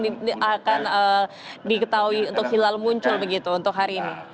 ini akan diketahui untuk hilal muncul begitu untuk hari ini